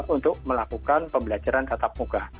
untuk melakukan pembelajaran tatap muka